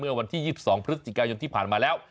วันที่๒๒พฤศจิกายนที่ผ่านมาแล้ว